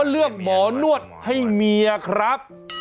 เลือกหมอนวดให้เมียครับ